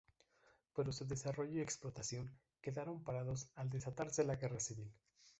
Pero su desarrollo y explotación quedaron parados al desatarse la Guerra civil.